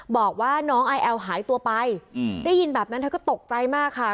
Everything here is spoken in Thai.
บอกว่าน้องไอแอลหายตัวไปได้ยินแบบนั้นเธอก็ตกใจมากค่ะ